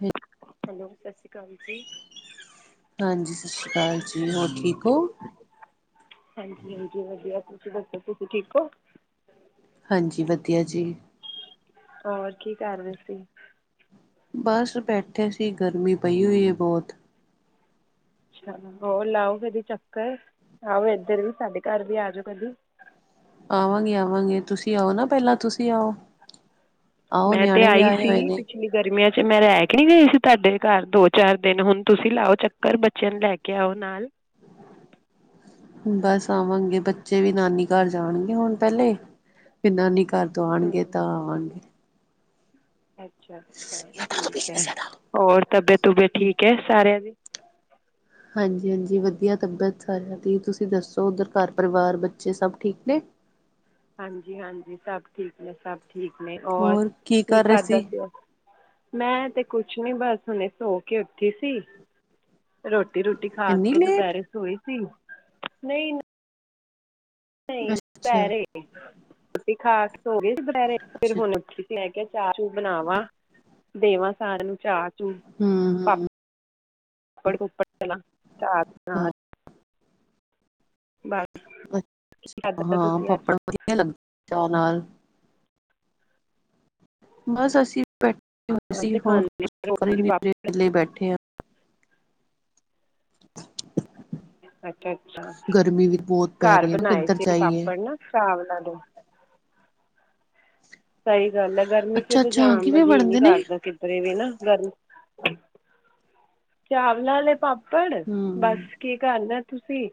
ਹ [inaudible] ਹੈਲੋ ਸਤਿ ਸ਼੍ਰੀ ਅਕਾਲ ਜੀ। ਹਾਂਜੀ ਸਤਿ ਸ਼੍ਰੀ ਅਕਾਲ ਜੀ ਹੋਰ ਠੀਕ ਹੋ? ਹਾਂਜੀ-ਹਾਂਜੀ ਵਧੀਆ। ਤੁਸੀਂ ਦੱਸੋ ਤੁਸੀਂ ਠੀਕ ਹੋ? ਹਾਂਜੀ ਵਧੀਆ ਜੀ। ਹੋਰ ਕੀ ਕਰ ਰਹੇ ਸੀ? ਬਸ ਬੈਠੇ ਸੀ ਗਰਮੀ ਪਈ ਹੋਈ ਏ ਬਹੁਤ। ਅੱਛਾ ਹੋਰ ਲਾਓ ਕਦੀ ਚੱਕਰ, ਆਓ ਇੱਧਰ ਵੀ ਸਾਡੇ ਘਰ ਵੀ ਆ ਜਾਓ ਕਦੀ। ਆਵਾਂਗੇ-ਆਵਾਂਗੇ ਤੁਸੀਂ ਆਓ ਨਾ ਪਹਿਲਾਂ ਤੁਸੀਂ ਆਓ। ਆਓ ਮੈਂ ਤੇ ਨਿਆਣੇ ਵੀ ਆਈ ਆਏ ਸੀ ਹੋਏ ਨੇ ਪਿੰਛ ਇਨੀ ਗਰਮੀਆਂ ਚ ਮੈਂ ਰਹਿ ਕੇ ਨਹੀਂ ਗਈ ਸੀ ਤੁਹਾਡੇ ਘਰ ਦੋ-ਚਾਰ ਦਿਨ, ਹੁਣ ਤੁਸੀਂ ਲਾਓ ਚੱਕਰ ਬੱਚਿਆਂ ਨੂੰ ਲੈ ਕੇ ਆਓ ਨਾਲ। ਬਸ ਆਵਾਂਗੇ, ਬੱਚੇ ਵੀ ਨਾਨੀ ਘਰ ਜਾਣਗੇ ਹੁਣ ਪਹਿਲੇ ਵੀ ਨਾਨੀ ਘਰ ਤੋਂ ਹੂੰ ਆਣਗੇ ਤਾਂ ਆਵਾਂਗੇ। ਅੱਛਾ-ਅੱਛਾ ਠੀਕ ਹੈ, ਹੋਰ ਤਬੀਅਤ-ਤਬੂਅਤ ਠੀਕ ਹੈ ਸਾਰਿਆਂ ਦੀ। ਹਾਂਜੀ-ਹਾਂਜੀ ਵਧੀਆ ਤਬੀਅਤ ਸਾਰਿਆਂ ਦੀ, ਤੁਸੀਂ ਦੱਸੋ ਉੱਧਰ ਘਰ-ਪਰਿਵਾਰ ਬੱਚੇ ਸਭ ਠੀਕ ਨੇ। ਹਾਂਜੀ-ਹਾਂਜੀ ਸਭ ਠੀਕ ਨੇ, ਸਭ ਠੀਕ ਨੇ। ਔਰ ਹੋਰ ਕੀ ਕਰ ਰਹੇ ਖਾਧਾ ਸੀ ਮੈਂ ਤੇ ਕੁਛ ਨੀ ਬਸ ਹੁਣੇ ਸੌ ਕੇ ਉੱਠੀ ਸੀ। ਰੋਟੀ-ਰੁਟੀ ਖਾ ਇੰਨੀ ਕੇ ਲੇਟ ਦੁਪਹਿਰੇ ਸੋਈ ਸੀ, ਨਹੀਂ ਨਹੀਂ ਅੱਛਾ ਦੁਪਹਿਰੇ ਰੋਟੀ ਖਾ ਕੇ ਸੌ ਗਈ ਸੀ ਦੁਪਹਿਰੇ ਫਿਰ ਅੱਛਾ ਹੁਣ ਉੱਠੀ ਮੈਂ ਕਿਹਾ ਚਾਹ-ਚੂ ਬਣਾਵਾਂ ਦੇਵਾਂ ਸਾਰਿਆਂ ਨੂੰ ਚਾਹ ਧਾਧ ਹਮ ਹਮ ਪਾਪੜ-ਪੂਪੜ ਤਲਾਂ ਚਾਹ ਦੇ ਹਾਂ ਨਾਲ। ਬ [inaudible] ਅੱਛਾ ਹਾਂ, ਪਾਪੜ ਵਧੀਆ ਲੱਗਦੇ ਨੇ ਚਾਹ ਨਾਲ। ਬਸ ਅਸੀਂ ਬੈਠੇ ਹੋਏ ਅਸੀਂ ਸੀ, ਤੇ ਹੋਰ ਖਾਂਦੇ ਹਾਂ ਰੋਜ਼ ਹੀ ਕਰੀਏ ਕੀ ਪਾਪੜ ਵਿਲੇ ਬੈਠੇ ਹਾਂ। ਅੱਛਾ-ਅੱਛਾ, ਗਰਮੀ ਵੀ ਬਹੁਤ ਪੈ ਘਰ ਰਹੀ ਹੈ ਨਾ ਬਣਾਏ ਕਿੱਧਰ ਸੀ ਅਸੀਂ ਜਾਈਏ ਪਾਪੜ ਨਾ ਚਾਵਲਾਂ ਦੇ। ਸਹੀ ਗੱਲ ਹੈ ਗਰਮੀ ਚ ਅੱਛਾ ਤਾਂ ਅੱਛਾ ਜਾਣ ਦਾ ਕਿਵੇਂ ਜੀਅ ਨੀ ਬਣਦੇ ਨੇ ਕਰਦਾ ਕਿਧਰੇ ਵੀ ਨਾ ਗਰਮੀ ਚਾਵਲਾਂ ਦੇ ਪਾਪੜ ਹਮ ਬਸ ਕੀ ਕਰਨਾ ਤੁਸੀਂ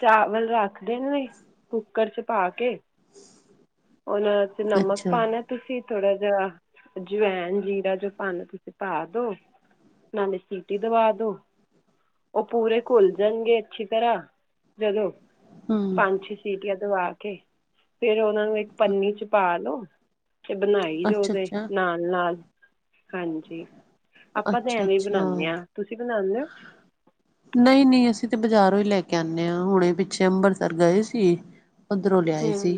ਚਾਵਲ ਰੱਖਦੇ ਨੇ ਕੁੱਕਰ ਚ ਪਾ ਕੇ। ਉਹਨਾਂ ਤੇ ਨਮਕ ਅੱਛਾ ਪਾਨਾ ਏਂ। ਤੁਸੀਂ ਥੋੜਾ ਜਿਹਾ ਅਜਵੈਨ ਜੀਰਾ ਜੋ ਪਾਨੈ, ਤੁਸੀਂ ਪਾ ਦੋ। ਨਾਲੇ ਸੀਟੀ ਦਵਾ ਦੋ। ਉਹ ਪੂਰੇ ਘੁਲ ਜਣਗੇ ਅੱਛੀ ਤਰ੍ਹਾਂ ਜਦੋਂ ਹਮ ਪੰਜ-ਛੇ ਸੀਟੀਆਂ ਦਵਾ ਕੇ, ਫੇਰ ਉਹਨਾਂ ਨੂੰ ਇੱਕ ਪੰਨੀ 'ਚ ਪਾ ਲੋ ਤੇ ਬਣਾਈ ਜੋ ਅੱਛਾ ਓਦੇ ਅੱਛਾ ਨਾਲ-ਨਾਲ ਹਾਂਜੀ। ਆਪਾਂ ਤਾਂ ਅੱਛਾ ਐਵੇਂ ਹੀ ਅੱਛਾ ਬਣਾਨੇ ਆਂ, ਤੁਸੀਂ ਬਣਾਂਦੇ ਹੋ? ਨਹੀਂ-ਨਹੀਂ ਅਸੀਂ ਤੇ ਬਾਜ਼ਾਰੋਂ ਹੀ ਲੈ ਕੇ ਆਨੇ ਆਂ, ਹੁਣੇ ਪਿੱਛੇ ਅੰਬਰਸਰ ਗਏ ਸੀ। ਉੱਧਰੋਂ ਲਿਆਏ ਹਮ ਸੀ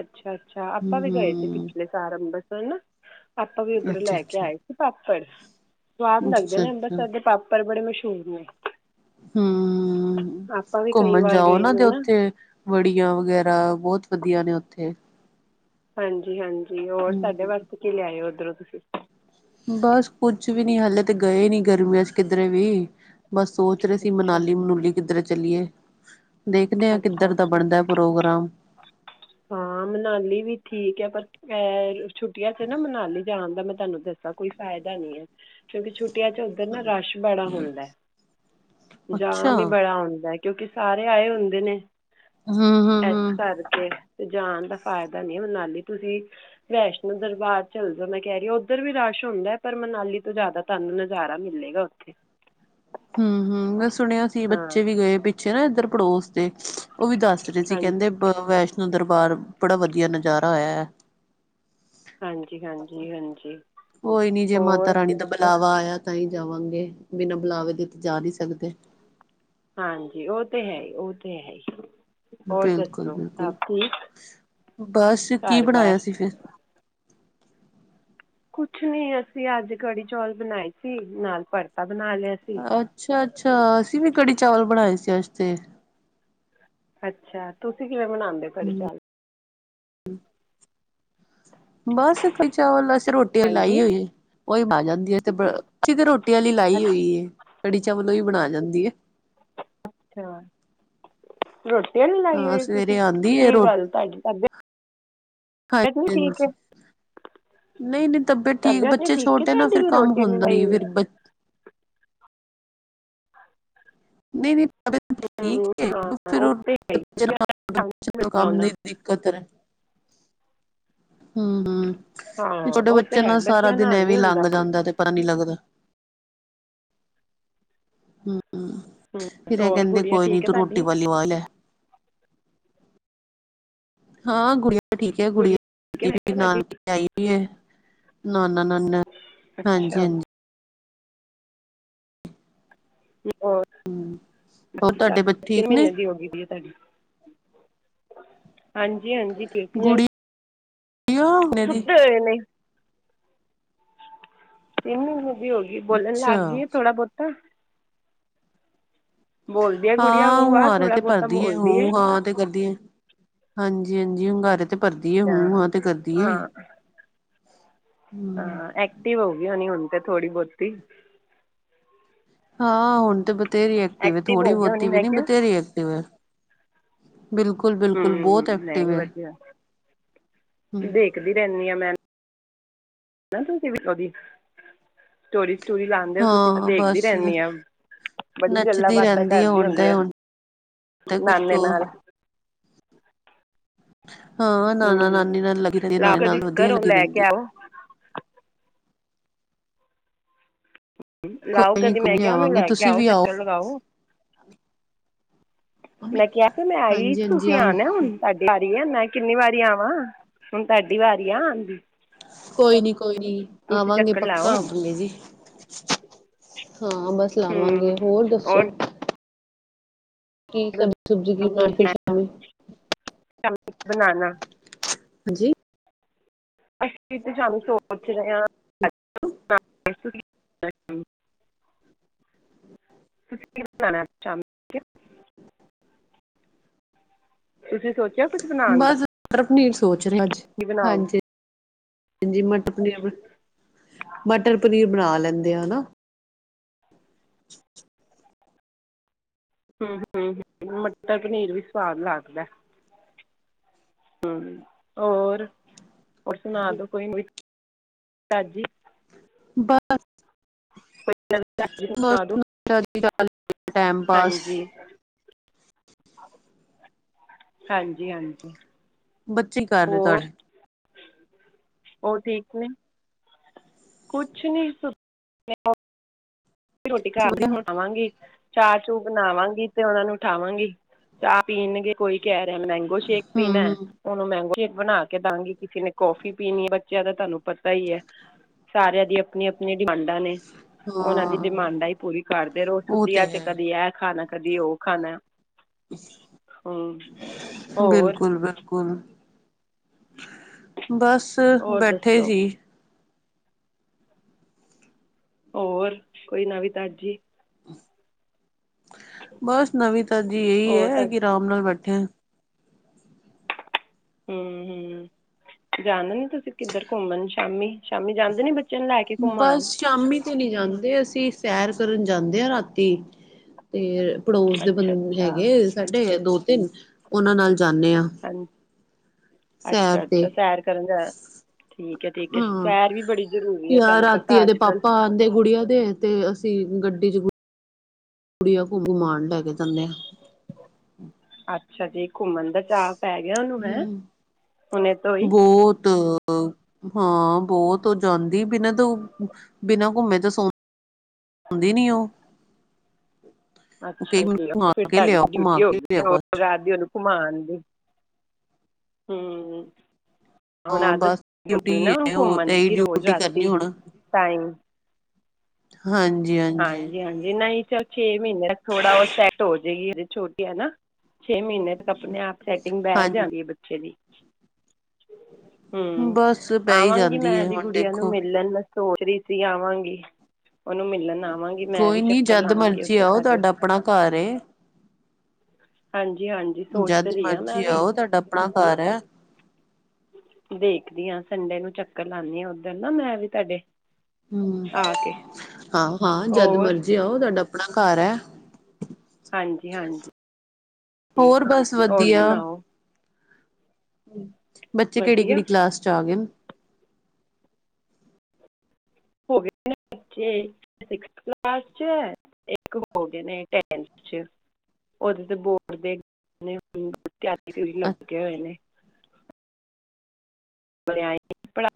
ਅੱਛਾ-ਅੱਛਾ ਆਪਾਂ ਵੀ ਗਏ ਸੀ ਹਮ ਪਿਛਲੇ ਸਾਲ ਅੰਬਰਸਰ ਨਾ। ਆਪਾਂ ਵੀ ਉੱਧਰੋਂ ਅੱਛਾ ਲੈ ਕੇ ਅੱਛਾ ਆਏ ਸੀ ਪਾਪੜ, ਸਵਾਦ ਲੱਗਦੇ ਅੱਛਾ ਨੇ ਅੱਛਾ ਅੰਬਰਸਰ ਦੇ ਪਾਪੜ ਪਰ ਬੜੇ ਮਸ਼ਹੂਰ ਨੇ। ਹਮ, ਆਪਾਂ ਵੀ ਕਈ ਘੁੰਮਣ ਵਾਰ ਜਾਓ ਗਏ ਨਾ ਨੇ ਤੇ ਉੱਥੇ ਵੜੀਆਂ ਵਗੈਰਾ ਬਹੁਤ ਵਧੀਆ ਨੇ ਉੱਥੇ। ਹਾਂਜੀ-ਹਾਂਜੀ, ਹੋਰ ਸਾਡੇ ਹਮ ਵਾਸਤੇ ਕੀ ਲਿਆਏ ਓ ਉੱਧਰੋਂ ਤੁਸੀਂ। ਬਸ ਕੁੱਝ ਵੀ ਨੀ ਹਲੇੇ ਤੇ ਗਏ ਨੀ ਗਰਮੀਆਂ 'ਚ ਕਿਧਰੇ ਵੀ। ਬਸ ਸੋਚ ਰਹੇ ਸੀ ਅੱਛਾ ਮਨਾਲੀ-ਮਨੂਲੀ ਕਿੱਧਰੇ ਚਲੀਏ। ਦੇਖਦੇ ਆਂ, ਅੱਛਾ ਕਿੱਧਰ ਦਾ ਅੱਛਾ ਬਣਦਾ ਪ੍ਰੋਗਰਾਮ। ਹਾਂ ਮਨਾਲੀ ਵੀ ਠੀਕ ਹੈ, ਪਰ ਐ ਛੁੱਟੀਆਂ 'ਚ ਨਾ ਮਨਾਲੀ ਜਾਣ ਦਾ ਮੈਂ ਤੁਹਾਨੂੰ ਦੱਸਾਂ ਕੋਈ ਫਾਇਦਾ ਨੀ ਹੈ। ਕਿਉਂਕਿ ਛੁੱਟੀਆਂ 'ਚ ਤੇ ਨਾ ਰਸ਼ ਬੜਾ ਹੁੰਦਾ, ਅੱਛਾ ਜਾਮ ਹੀ ਬੜਾ ਹੁੰਦਾ, ਕਿਉਂਕਿ ਸਾਰੇ ਆਏ ਹੁੰ ਦੇ ਨੇ, ਹਮ ਹਮ ਇਸ ਹਮ ਕਰਕੇ ਤੇ ਜਾਣ ਦਾ ਫਾਇਦਾ ਨੀ ਮਨਾਲੀ ਤੁਸੀਂ ਵੈਸ਼ਨੂੰ ਦਰਬਾਰ ਚੱਲ ਜੋ ਮੈਂ ਕਹਿ ਰਹੀ ਹਾਂ ਉੱਧਰ ਵੀ ਰਸ਼ ਹੁੰਦਾ ਹੈ ਪਰ ਮਨਾਲੀ ਤੋਂ ਜ਼ਿਆਦਾ ਤੁਹਾਨੂੰ ਨਜ਼ਾਰਾ ਮਿਲੇਗਾ ਉੱਥੇ। ਹਮ-ਹਮ ਮੈਂ ਸੁਣਿਆ ਸੀ ਹਾਂ ਬੱਚੇ ਵੀ ਗਏ ਪਿੱਛੇ ਨਾ ਇੱਧਰ ਪੜੋਸ ਦੇ, ਉਹ ਵੀ ਦੱਸ ਚੇ ਹਾਂਜੀ ਕਹਿੰਦੇ ਵੈਸ਼ਨੋ ਦਰਬਾਰ ਬੜਾ ਵਧੀਆ ਨਜ਼ਾਰਾ ਆਇਆ ਹੈ। ਹਾਂਜੀ ਹਾਂਜੀ ਹਾਂਜੀ। ਕੋਈ ਨੀ ਜੇ ਮਾਤਾ ਹੋਰ ਰਾਣੀ ਦਾ ਬੁਲਾਵਾ ਆਇਆ ਤਾਂ ਹੀ ਜਾਵਾਂਗੇ, ਬਿਨਾਂ ਬੁਲਾਵੇ ਦੇ ਤੇ ਜਾ ਨਹੀਂ ਸਕਦੇ। ਹਾਂਜੀ ਉਹ 'ਤੇ ਹੈ ਹੀ ਉਹ 'ਤੇ ਹੈ ਹੀ। ਹੋਰ ਬਿਲਕੁਲ ਦੱਸੋ, ਬਿਲਕੁਲ। ਸਭ ਠੀਕ ਬਸ ਕੀ ਘਰ-ਬਾਹਰ? ਬਣਾਇਆ ਸੀ ਫਿਰ? ਕੁਛ ਨੀ ਅਸੀਂ ਅੱਜ ਕੜੀ-ਚੌਲ ਬਣਾਏ ਸੀ ਨਾਲ ਭਰਤਾ ਬਣਾ ਲਿਆ ਸੀ। ਅੱਛਾ-ਅੱਛਾ ਅਸੀਂ ਵੀ ਕੜੀ ਚਾਵਲ ਬਣਾਏ ਸੀ ਅੱਜ ਤੇ। ਅੱਛਾ ਤੁਸੀਂ ਕਿਵੇਂ ਬਨਾਂਦੇ ਹੋ ਕੜੀ ਚਾਵਲ? ਬਸ ਖ ਚ ਵਲ ਅ ਰੋਟ ਰੋਟੀ ਵਾਲੀ ਲਾਈ ਹਾਂਜੀ ਹੋਈ ਉਹੀ ਆ ਜਾਂਦੀ ਹੈ ਤੇ ਅ ਤੇ ਰੋਟੀ ਵਾਲੀ ਲਾਈ ਹੋਈ। ਕੜੀ ਚਾ ਵੱਲੋਂ ਵੀ ਬਣਾ ਜਾਂਦੀ ਹੈ। ਅੱਛਾ। ਰੋਟੀ ਵੀ ਲਾਈ ਹਾਂ ਹੋਏ ਤੁਸੀਂ ਸਵੇਰੇ ਆਂਦੀ ਏ ਕੀ ਰੋਟੀ ਗੱਲ ਤੁਹਾਡੀ ਤਬ ਏਤ ਨੀ ਹਾਂਜੀ ਠੀਕ ਹੈ? ਹਾਂਜੀ। ਨਹੀਂ ਨਹੀਂ ਠੀਕ ਤਬੀਅਤ ਬੱਚੇ ਠੀਕ ਹੈ ਛੋਟੇ ਨਾ ਫਿਰ ਤੁਹਾਡੀ ਕੰਮ ਰੋਟੀ ਨ ਹੁੰਦਾ ਨੀ ਲਾਈ ਆ? ਫਿਰ ਬ ਨਹੀਂ ਨਹੀਂ ਠੀਕ ਫਿਰ ਹਾਂ ਉਹ ਤਾਂ ਹੈ ਹੀ ਬੱਚਿਆਂ ਨਾਲ ਨੀ ਮਿਲਦਾ ਕੰ [unintelligible] ਉਹਨਾਂ ਦਿੱਕਤਰ ਰ। ਹਮ ਹਮ ਹਾਂ ਛੋਟੇ ਉਹ ਤਾਂ ਬੱਚੇ ਹੈ ਨਾਲ ਸਾਰਾ ਬੱਚਿਆਂ ਦਿਨ ਨਾਲ ਐਵੇਂ ਨਹੀਂ ਹੁੰਦਾ ਲੰਘ ਕੰਮ ਜਾਂਦਾ ਤੇ ਪਤਾ ਨੀ ਲੱਗਦਾ ਹ। ਹਮ ਫਿਰ ਇਹ ਔਰ ਕਹਿੰਦੇ ਗੁੜੀਆ ਕੋਈ ਨੀ ਠੀਕ ਹੈ ਤੂੰ ਰੋਟੀ ਤੁਹਾਡੀ ਵਾਲੀ ਵ ਲੈ। ਹਾਂ ਗੁੜੀਆਂ ਠੀਕ ਹੈ ਗੁੜੀ ਗੁੜੀਆ ਠੀਕ ਹੈ ਮੈਂ ਕੀਤੀ ਕਿਹਾ ਤੁਹਾਡੀ ਨਾਨਕੀ ਆਈ ਵੀ ਹੈ। ਨਾਨਾ ਨਾਨੀ ਅੱਛਾ ਹਾਂਜੀ-ਹਾਂਜੀ। ਹੋਰ ਹੋਰ ਬਾਕੀ ਤੁਹਾਡੇ ਸਾਹਿਬ ਬੱਚੇ ਕਿਨ ਠੀਕ ਨੇ ਮਹੀਨੇ ਦੀ ਹੋ ਗਈ ਹੈ ਤੁਹਾਡੀ। ਹਾਂਜੀ-ਹਾਂਜੀ। ਠੀਕ ਹੈ, ਗੁੜੀਆ ਹੁਣੇ ਦੀ ਸੁੱਤੇ ਹੋਏ ਨੇ। ਤਿੰਨ ਮਹੀਨੇ ਦੀ ਹੋ ਗਈ, ਬੋਲਣ ਅੱਛਾ ਲੱਗ ਗਈ ਹੈ ਥੋੜ੍ਹਾ ਬਹੁਤਾ। ਬੋਲਦੀ ਹੈ ਗੁੜੀਆ ਹਾਂ ਊ ਆ ਹੁਆਰੇ ਥੋੜ੍ਹਾ ਤੇ ਬਹੁਤਾ ਭਰਦੀ ਆ ਹੁ ਬੋਲਦੀ ਹੈ ਹਾਂ ਤੇ ਕਰਦੀ ਐ। ਹਾਂਜੀ-ਹਾਂਜੀ ਹੁੰਗਾਰੇ ਤੇ ਭਰਦੀ ਹੈ, ਅੱਛਾ ਹੂੰ ਹਾਂ ਤੇ ਕਰਦੀ ਹੈ। ਹਾਂ ਹਾਂ ਐਕਟਿਵ ਹੋ ਗਈ ਹੋਣੀ ਹੁਣ ਤੇ ਥੋੜੀ ਬਹੁਤੀ। ਹਾਂ ਹੁਣ ਤੇ ਬਥੇਰੀ ਐਕਟਿਵ ਹੈ ਥੋੜ੍ਹੀ ਹੋ ਗਈ ਹੋਣੀ ਬਹੁਤੀ ਵੀ ਮੈਂ ਨੀ ਕਿਹਾ ਬਥੇਰੀ ਐਕਟਿਵ ਹੈ। ਬਿਲਕੁਲ-ਬਿਲ ਹਮ ਮੈਂ ਵਧੀਆ ਦੇਖਦੀ ਰਹਿੰਦੀ ਹਾਂ ਮੈਂ ਨਾ ਤੁਸੀ ੳਦੀ ਸਟੋਰੀ ਸਟੂਰੀ ਲਾਉਦੇ ਹੋ ਤੁਸੀਂ ਮੈਂ ਹਾਂ ਦੇਖਦੀ ਬਸ ਰਹਿੰਦੀ ਆ। ਨੱਚਦੀ ਰਹਿੰਦੀ ਹੈ ਹੁਣ ਤਾਂ ਹੁਣ ਕੁਛ ਨਾਨੇ ਨਾਲ ਹਾਂ ਹੂੰ ਨਾਨਾ- ਨਾਨੀ ਨਾਲ ਲੱਗੀ ਰਹਦੀ ਲਾਓ ਨਾਨੀ ਕਦੀ ਨਾਲ ਵਧੀਆ ਘਰੋਂ ਲੱਗੀ ਲੈ ਕੇ ਰਹਿੰਦੀ ਏ। ਆਓ ਲਾਓ ਕੋਈ ਨੀ ਕਦੀ ਕੋਈ ਮੈਂ ਨੀ ਕਿਹਾ ਉਹਨੂੰ ਆਵਾਂਗੇ ਲੈ ਕੇ ਤੁਸੀਂ ਆਓ ਵੀ ਚੱਕਰ ਲਗਾਓ। ਮੈਂ ਕਿਹਾ ਫੇ ਮੈਂ ਆਈ ਸੀ ਹਾਂਜੀ-ਹਾਂਜੀ ਤੁਸੀਂ ਆਣਾ ਆਵਾਂਗੇ ਹੁਣ ਅੱਜ ਵਾਰੀ ਆ ਮੈਂ ਕਿੰਨੀ ਵਾਰੀ ਆਵਾਂ। ਹੁਣ ਤੁਹਾਡੀ ਵਾਰੀ ਆ ਆਂਨਦੀ। ਕੋਈ ਨੀ ਕੋਈ ਨੀ ਆਵਾਂਗੇ ਚੱਕਰ ਲਾਓ ਪੱਕਾ ਹੁਣ ਆਵਾਂਗੇ ਜੀ। ਹਾਂ ਬਸ ਲਾਵਾਂਗੇ ਹੂੰ ਹੋਰ ਦੱਸੋ? ਔਰ ਸਬਜ਼ੀ ਸੁਬਜ਼ੀ ਕੀ ਬ ਫਿਰ ਸ਼ਾਮਂ ਬਣਾਉਣਾ। ਹਾਂਜੀ। ਅਸੀਂ ਤੇ ਸਾਨੂੰ ਸੋਚ ਰਹੇ ਹਾਂ [inaudible] ਤੁਸੀਂ ਕੀ ਬਣਾਣਾ ਐ ਸ਼ਾਮੀ ਤੁਸੀਂ ਸੋਚਿਆ ਕੁਛ ਬਣਾਉਣ ਦਾ। ਬਸ ਮਟਰ ਪਨੀਰ ਸੋਚ ਰਹਾ ਕੀ ਬਣਾਓਗੇ ਹਾਂਜੀ [unintelligible] ਨੀ ਮਟਰ ਪਨੀਰ ਬਣਾ ਲੈਂਦੇ ਆ ਹਨਾ। ਹਮ-ਹਮ ਮਟਰ ਪਨੀਰ ਵੀ ਸਵਾਦ ਲੱਗਦਾ ਐ। ਹਮ ਹੋਰ-ਹੋਰ ਸੁਣਾ ਸੁਣਾਦੋ ਕੋਈ ਨਵੀਂ ਤਾਜੀ। ਬ ਕੋਈ ਨਵੀਂ ਤਾਜ਼ੀ ਸੁਣਾ ਦਿਓ [unintelligible] ਟਾਈਮ ਪਾਸ ਹ [inaudible] ਹਾਂਜੀ-ਹਾਂਜੀ। ਬੱਚੇ ਕੀ ਕਰ ਰਹੇ ਤੁਹਾਡੇ। ਉਹ ਠੀਕ ਨੇ। ਕੁਛ ਨੀ ਸੁ ਰੋਟੀ ਘਰ ਵਧੀਆ ਹੀ ਬਣਾਵਾਂਗੀ। ਚਾਹ ਚੂ ਬਣਾਵਾਂਗੀ ਤੇ ਉਹਨਾ ਨੂੰ ਉਠਾਵਾਂਗੀ ਚਾਹ ਪੀਣਗੇ ਕੋਈ ਕਹਿ ਰਿਹਾ ਮਹਿੰਗੀ। ਮਿਲਕ ਸ਼ੇਕ ਹੂੰ ਪੀਣਾ ਐ। ਹੂੰ ਉਹਨੂੰ ਮੈਂਗੋ ਸ਼ੇਕ ਬਣਾ ਕੇ ਦਵਾਂਗੀ, ਕਿਸੇ ਨੇ ਕੌਫੀ ਪੀਣੀ ਬੱਚਿਆਂ ਦਾ ਤੁਹਾਨੂੰ ਪਤਾ ਹੀ ਹੈ। ਸਾਰਿਆਂ ਦੀ ਆਪਣੀ-ਆਪਣੀ ਡਿਮਾਂਡ ਨੇ ਉਹਨਾਂ ਦੀ ਹਾਂ ਡਿਮਾਂਡ ਹੀ ਪੂਰੀ ਕਰਦੇ ਰੋ ਉਹ ਛੁੱਟੀਆਂ ਤੇ ਚ ਹੈ ਕਦੀ ਇਹ ਖਾਣਾ ਕਦੀ ਉਹ ਖਾਣਾ ਹੂੰ ਹੋਰ ਬਿਲਕੁਲ ਬਿਲਕੁਲ। ਬਸ ਹੋਰ ਬੈਠੇ ਦੱਸੋ ਸੀ। ਹੋਰ, ਕੋਈ ਨਵੀਂ ਤਾਜ਼ੀ? ਬਸ ਨਵੀਂ ਤਾਜ਼ੀ ਇਹੀ ਹੋਰ ਐ ਤਾਂ ਕਿ ਆਰਾਮ ਨਾਲ ਬੈਠੇ। ਹੂੰ ਹੂੰ, ਜਾਣਾ ਨੀ ਤੁਸੀਂ ਕਿੱਧਰ ਘੁੰਮਣ ਸ਼ਾਮੀ ਸ਼ਾਮੀ ਜਾਂਦੇ ਨੀ ਬੱ ਚਿਆਂ ਨੂੰ ਕੇ ਲੈ ਗਏ ਘੁਮਾਣ? ਬਸ ਸ਼ਾਮੀ ਤੇ ਨੀ ਜਾਂਦੇ ਅਸੀਂ, ਸੈਰ ਕਰਨ ਜਾਂਦੇ ਆ ਰਾਤੀਂ। ਤੇ ਪੜੋਸ ਦੇ ਅੱਛਾ ਬੰਦੇ ਅੱਛਾ ਹੈਗੇ ਸਾਡੇ ਦੋ ਤਿੰਨ ਉਹਨਾਂ ਨਾਲ ਜਾਣੇ ਆ। ਹਾਂਜੀ। ਅੱਛਾ ਤੇ ਅੱਛਾ ਸੈਰ ਕਰਨ ਜਾ, ਠੀਕ ਐ ਠੀਕ ਸੈਰ ਵੀ ਬੜੀ ਜ਼ਰੂਰੀ ਹੈ ਜਾਂ ਤੁਹਾਨੂੰ ਰਾਤੀ ਪਤਾ ਇਹਦੇ ਅੱਜ ਕੱਲ੍ਹ ਪਾਪਾ ਆਂਦੇ ਗੁੜੀਆਂ ਦੇ ਤੇ ਅਸੀਂ ਗੱਡੀ ਚ ਗੁੜੀਆਂ ਕੋ ਗੁਮਾਣ ਲੈ ਕੇ ਜਾਣੇ ਆ। ਅੱਛਾ ਜੀ ਘੁੰਮਣ ਦਾ ਚਾਅ ਪੈ ਗਿਆ ਉਹਨੂੰ ਹੈ, ਹੁਣੇ ਤੋਂ ਈ। ਬਹੁਤ। ਹਾਂ ਬਹੁਤ ਉਹ ਜਾਂਦੀ ਬਿਨਾਂ ਤੋਂ ਬਿਨਾਂ ਘੁੰਮੇ ਤਾਂ ਸੋ ਸੌਦੀ ਨੀ ਉਹ। ਅੱਛਾ ਕਈ ਜੀ, ਮੈਨੂੰ ਘੁਮਾ ਫਿਰ ਕੇ ਤੁਹਾਡੀ ਲਿਆਓ ਘੁਮਾ ਡਿਊਟੀ ਹੋ ਕੇ ਗਈ ਲਿਆਓ ਹੋਰ। ਬਸ ਰਾਤ ਦੀ ਉਹਨੂੰ ਘੁਮਾਣ ਦੀ, ਹੂੰ। ਹੁਣ ਹਾਂ ਆਦਤ ਬਸ ਹੋ ਗਈ ਡਿਊਟੀ ਹੁਣੀ ਨਾ ਹੁਣ ਹੈ ਉਹ ਘੁੰਮਣ ਇਹੀ ਦੀ ਰੋਜ਼ ਡਿਊਟੀ ਕਰਨੀ ਰਾਤੀ ਹੁਣ ਟਾਈਮ ਹਾਂਜੀ ਹਾਂਜੀ। ਹਾਂਜੀ ਹਾਂਜੀ, ਨਹੀਂ ਚਲ ਛੇ ਮਹੀਨੇ ਥੋੜ੍ਹਾ ਉਹ ਸੈੱਟ ਹੋ ਜਾਏਗੀ ਹਜੇ ਛੋਟੀ ਆ ਨਾ। ਛੇ ਮਹੀਨੇ ਤੱਕ ਆਪਣੇ ਆਪ ਸੈਟਿੰਗ ਬਹਿ ਹਾਂਜੀ ਜਾਂਦੀ ਆ ਬੱਚੇ ਦੀ। ਹੂੰ, ਬਸ ਪੈ ਹੀ ਆਵਾਂਗੀ ਜਾਂਦੀ ਮੈਂ ਹੈ ਵੀ ਹੁਣ ਗੁਡੀਆਂ ਨੂੰ ਦੇਖੋ ਮਿਲਣ। ਸੋਚ ਰਹੀ ਸੀ ਆਵਾਂਗੀ, ਉਹਨੂੰ ਮਿਲਣ। ਆਵਾਂਗੀ ਮੈਂ ਵੀ ਕੋਈ ਨੀ ਚੱਕਰ ਜਦ ਲਾਵਾਂਗੀ ਮਰਜ਼ੀ ਉੱਧਰ ਆਓ ਤੁਹਾਡੇ ਤੁਹਾਡਾ ਆਪਣਾ ਘਰ ਏ। ਹਾਂਜੀ ਹਾਂਜੀ। ਸੋਚ ਜਦ ਤਾਂ ਰਹੀ ਹਾਂ ਮੈਂ ਮਰਜ਼ੀ ਵੀ ਆਓ ਤੁਹਾਡਾ ਆਪਣਾ ਘਰ ਐ। ਦੇਖਦੀ ਹਾਂ ਸੰਡੇ ਨੂੰ ਚੱਕਰ ਲਾਣੀ ਆ ਉੱਧਰ ਨਾ ਮੈਂ ਵੀ ਤੁਹਾਡੇ। ਹੂੰ, ਆ ਕੇ ਹਾਂ ਹਾਂ ਜਦ ਹੋਰ ਮਰਜ਼ੀ ਆਓ ਤੁਹਾਡਾ ਆਪਣਾ ਘਰ ਐ। ਹਾਂਜੀ ਹਾਂਜੀ। ਹੋਰ ਬਸ ਹੋਰ ਵਧੀਆ। ਸੁਣਾਓ ਬੱਚੇ ਕਿਹੜੀ ਵਧੀਆ ਕਿਹੜੀ ਕਲਾਸ ਚ ਆ ਗਏ ਨੇ? ਮੇਰੇ ਬੱਚੇ ਇੱਕ ਸਿਕਸ ਕਲਾਸ ਚ, ਇੱਕ ਹੋ ਗਏ ਨੇ ਟੈਂਥ ਚ। ਉਹਦੇ ਤੇ ਬੋਰਡ ਦੀ ਤਿਆਰੀ ਦੇ ਵਿੱਚ ਲੱਗੇ ਹੋਏ ਨੇ। [inaudible] ਪੜ੍ਹਾਈ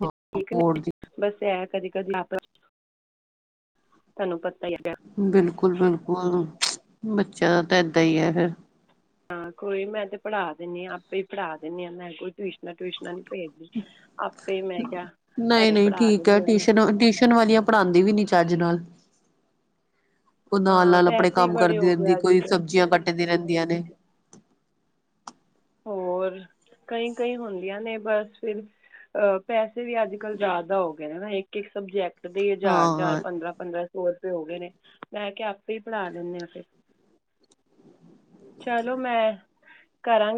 ਚ ਠੀਕ ਨੇ। ਬੋਰਡ ਦੀ ਬਸ ਐ ਕਦੀ ਕਦੀ ਆਪਸ ਚ, ਤੁਹਾਨੂੰ ਪਤਾ ਹੀ ਹੈਗਾ। ਬਿਲਕੁਲ ਬਿਲਕੁਲ, ਬੱਚਿਆਂ ਦਾ ਤਾਂ ਐਦਾਂ ਈ ਐ ਫਿਰ। ਹਾਂ ਕੋਈ ਨੀ ਮੈਂ ਤਾਂ ਪੜ੍ਹਾ ਦਿੰਨੀ ਆ, ਆਪੇ ਹੀ ਪੜ੍ਹਾ ਦਿੰਨੀ ਆ, ਮੈਂ ਕੋਈ ਟਿਊਸ਼ਨਾਂ ਟਿਊਸ਼ਨਾਂ ਨਹੀਂ ਭੇਜਦੀ, ਆਪੇ ਮੈਂ ਕਿਹਾ ਘਰੇ ਪੜ੍ਹਾ ਦਿੰਨੀ ਆ ਮੈਂ। ਟਿਊਸ਼ਨ ਵਾਲੀਆਂ ਪੜਾਂਦੀ ਵੀ ਨੀ ਚੱਜ ਨਾਲ। ਉਹ ਨਾਲ ਹਾਂ ਨਾਲ ਆਪਣੇ ਪੈਸੇ ਹੀ ਕੰਮ ਬੜੇ ਕਰਦੀ ਹੋ ਗਏ ਰਹਿੰਦੀ, ਅੱਜ ਕੋਈ ਕੱਲ੍ਹ ਸਬਜ਼ੀਆਂ ਕੱਟਦੀ ਰਹਿੰਦੀਆਂ ਨੇ। ਹੋਰ, ਕਈ ਕਈ ਹੁੰਦੀਆਂ ਨੇ ਬਸ ਫਿਰ ਅਹ ਪੈਸੇ ਵੀ ਅੱਜ ਕੱਲ੍ਹ ਜ਼ਿਆਦਾ ਹੋ ਗਏ ਨੇ ਨਾ, ਇੱਕ-ਇੱਕ ਸਬਜੈਕਟ ਦੇ ਹਜ਼ਾਰ ਹਜ਼ਾਰ ਹਾਂ ਪੰਦਰਾਂ ਪੰਦਰਾਂ ਸੌ ਰੁਪਏ ਹੋ ਗਏ ਨੇ ਲੈ ਕੇ ਆਪੇ ਹੀ ਪੜ੍ਹਾ ਦਿੰਦੇ ਹਾਂ ਫਿਰ। ਚਲੋ ਮੈਂ ਕਰਾਂਗੇ